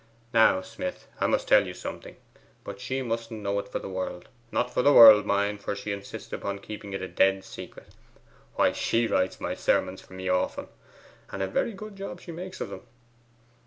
'Now, Smith, I'll tell you something; but she mustn't know it for the world not for the world, mind, for she insists upon keeping it a dead secret. Why, SHE WRITES MY SERMONS FOR ME OFTEN, and a very good job she makes of them!